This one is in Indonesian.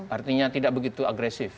artinya tidak begitu agresif